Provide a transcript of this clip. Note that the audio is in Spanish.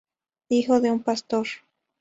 Hijo de un pastor.